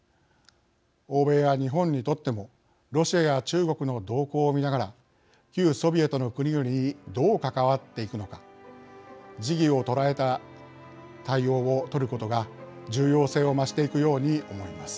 欧米や日本にとってもロシアや中国の動向を見ながら旧ソビエトの国々にどう関わっていくのか時宜を捉えた対応を取ることが重要性を増していくように思います。